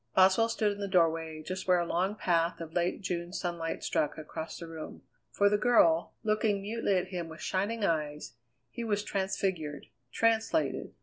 Boswell stood in the doorway, just where a long path of late June sunlight struck across the room. For the girl, looking mutely at him with shining eyes, he was transfigured, translated.